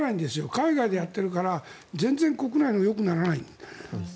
海外でやってるから国内がよくならない。